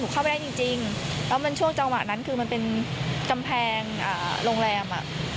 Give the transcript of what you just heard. เข้าไม่ได้จริงแล้วมันช่วงจังหวะนั้นคือมันเป็นกำแพงโรงแรมอ่ะ